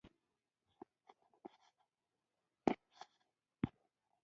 يو کوچينی موټر، په چټکۍ تر څنګ تېر شو.